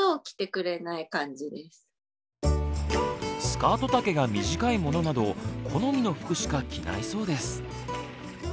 スカート丈が短いものなど好みの服しか着ないそうです。